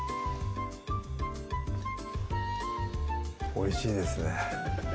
おいしいですね